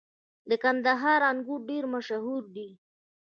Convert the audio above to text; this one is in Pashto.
• د کندهار انګور ډېر مشهور دي.